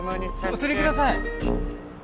おつりください！え？